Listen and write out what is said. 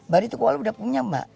baritukuwala sudah punya mbak